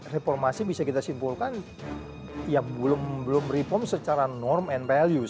reformasi bisa kita simpulkan yang belum reform secara norm and values